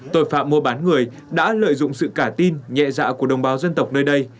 tội phạm mua bán người đã lợi dụng sự cả tin nhẹ dạ của đồng bào dân tộc nơi đây